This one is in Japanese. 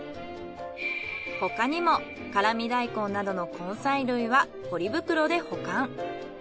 他にも辛味大根などの根菜類はポリ袋で保管。